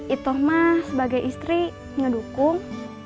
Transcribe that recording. itu mah sebagai istri ngedukung